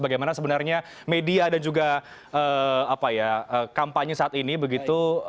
bagaimana sebenarnya media dan juga kampanye saat ini begitu